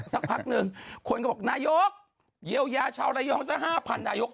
สักพักหนึ่งคนก็บอกนายกเยียวยาชาวระยองสัก๕๐๐นายก